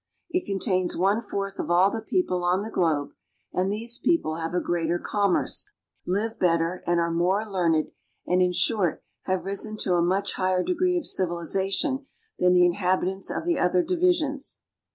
It contains one fourth of all the people on the globe; and these people have a greater commerce, live better and are more learned, and in short have risen to a much higher degree of civilization, than the inhabitants of the other divisions.